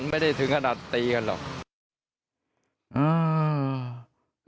ไม่ได้ถึงขนาดตีกันหรอก